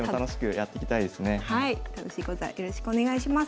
はい楽しい講座よろしくお願いします。